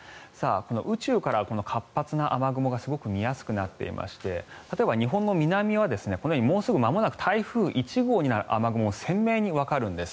宇宙から活発な雨雲がすごく見やすくなっていまして例えば日本の南はこのように、もうすぐまもなく台風１号になる雨雲が鮮明にわかるんです。